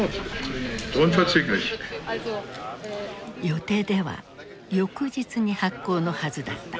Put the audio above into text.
予定では翌日に発効のはずだった。